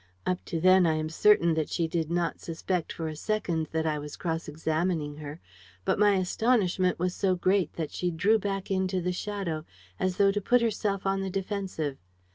"Up to then I am certain that she did not suspect for a second that I was cross examining her. But my astonishment was so great that she drew back into the shadow, as though to put herself on the defensive.